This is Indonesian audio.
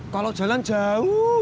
kalau jalan jalan